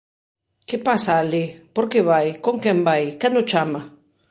Que pasa alí, por que vai, con quen vai, quen o chama?